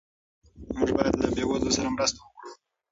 موږ باید له بې وزلو سره مرسته وکړو.